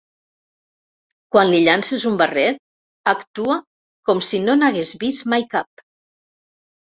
Quan li llances un barret, actua com si no n'hagués vist mai cap.